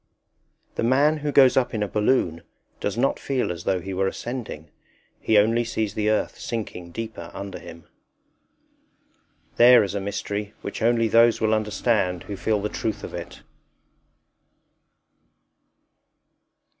The man who goes up in a balloon does not feel as though he were ascending; he only sees the earth sinking deeper under him. There is a mystery which only those will understand who feel the truth of it.